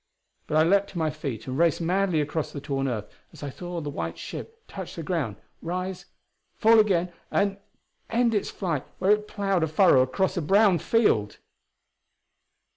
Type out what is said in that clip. But I leaped to my feet and raced madly across the torn earth as I saw the white ship touch the ground rise fall again and end its flight where it ploughed a furrow across a brown field....